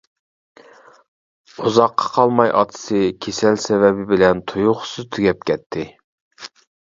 ئۇزاققا قالماي ئاتىسى كېسەل سەۋەبى بىلەن تۇيۇقسىز تۈگەپ كەتتى.